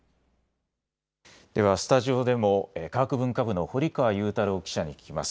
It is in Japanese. ではスタジオでも科学文化部の堀川雄太郎記者に聞きます。